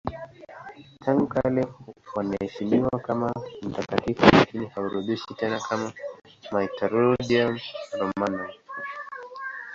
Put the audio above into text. Tangu kale wanaheshimiwa kama mtakatifu lakini haorodheshwi tena na Martyrologium Romanum.